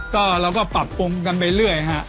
ก็เราก็ปรับปรุงกันไปเรื่อยฮะ